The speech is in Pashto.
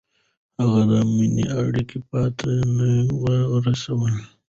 هغې د مینې اړیکه پای ته ونه رسوله.